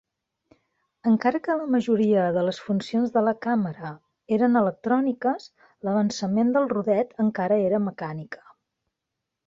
Encara que la majoria de les funcions de la càmera eren electròniques, l'avançament del rodet encara era mecànica.